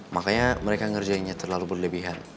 makanya mereka ngerjainnya terlalu berlebihan